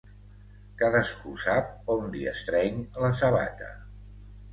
Cadascú sap on li estreny la sabata.